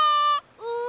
うん。